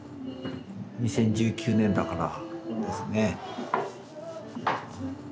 ２０１９年だからそうですね。